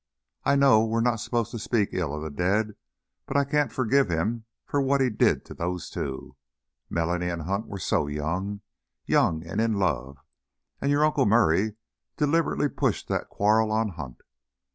I know we are not supposed to speak ill of the dead, but I can't forgive him for what he did to those two. Melanie and Hunt were so young, young and in love. And your Uncle Murray deliberately pushed that quarrel on Hunt.